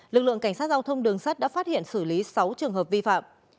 lực lượng cảnh sát giao thông đường sắt đã phát hiện xử lý sáu trường hợp vi phạm